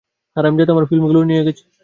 হারামজাদারা আমার ফিল্মগুলো নিয়ে গেছে।